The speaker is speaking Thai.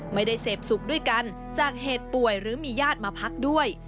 ไม่ได้เสพสุขด้วยกันจากเหตุป่วยหรือมีญาติมาพักด้วย